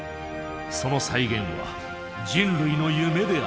その再現は人類の夢である。